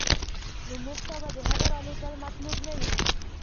نو موږ ته به د هغه رالېږل مطلوب نه وي.